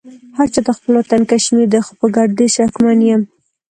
هرچا ته خپل وطن کشمير دې خو په ګرديز شکمن يم